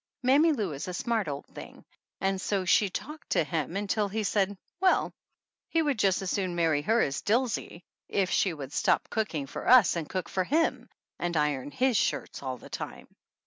Mammy Lou is a smart old thing, and so she talked to him until he said, well, he would just as soon marry her as Dilsey, if she would stop cooking for us, and cook for him and iron his shirts all the time.